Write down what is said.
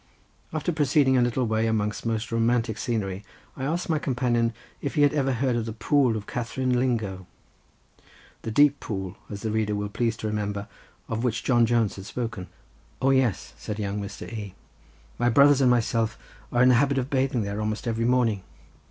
After proceeding a little way amongst most romantic scenery I asked my companion if he had ever heard of the pool of Catherine Lingo—the deep pool, as the reader will please to remember, of which John Jones had spoken. "O yes," said young Mr. E.: "my brothers and myself are in the habit of bathing there almost every morning.